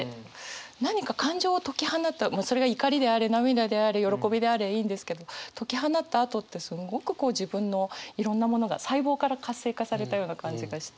何か感情を解き放ったそれが怒りであれ涙であれ喜びであれいいんですけど解き放ったあとってすんごくこう自分のいろんなものが細胞から活性化されたような感じがして。